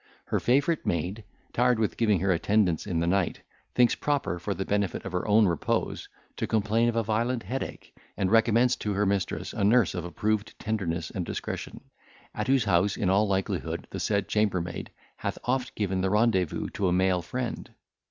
Her favourite maid, tired with giving her attendance in the night, thinks proper, for the benefit of her own repose, to complain of a violent headache, and recommends to her mistress a nurse of approved tenderness and discretion; at whose house, in all likelihood, the said chambermaid hath oft given the rendezvous to a male friend.